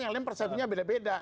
yang lain persepsinya beda beda